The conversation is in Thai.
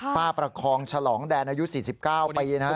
ประคองฉลองแดนอายุ๔๙ปีนะฮะ